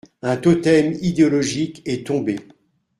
Un totem idéologique est tombé.